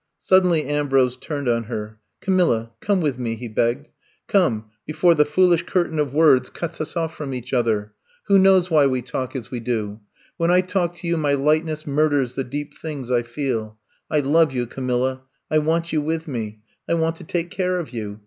Suddenly Ambrose turned on her. Ca milla, come with me, '' he begged. Come, before the foolish curtain of words cuts 116 I'VE COME TO STAY US oflf from each other. Who knows why we talk as we do ! When I talk to you my lightness murders the deep things I feel. I love you, Camilla. I want you with me. I want to take care of you.